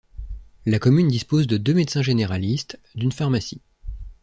La commune dispose de deux médecins généralistes, d'une pharmacie.